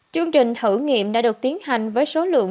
chương trình thử nghiệm đã được tiến hành với số lượng